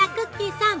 さん。